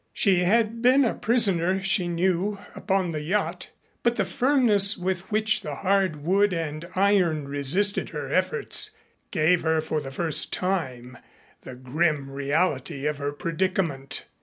She had been a prisoner she knew, upon the yacht, but the firmness with which the hard wood and iron resisted her efforts gave her for the first time the grim reality of her predicament.